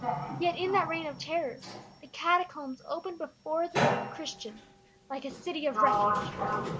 Yet in that reign of terror the Catacombs opened before the Christian like a city of refuge.